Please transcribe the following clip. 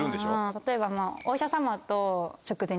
例えばお医者様と。